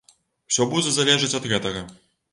Усё будзе залежаць ад гэтага.